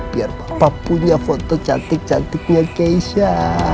biar bapak punya foto cantik cantiknya keisha